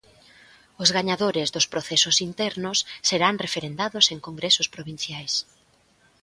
Os gañadores dos procesos internos serán referendados en congresos provinciais.